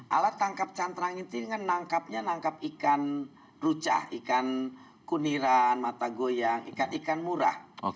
alat tangkap cantrang itu dengan tangkapnya ikan rucah ikan kuniran mata goyang ikan ikan murah